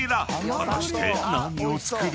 ［果たして何を作るのか？］